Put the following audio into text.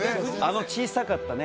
あの小さかったね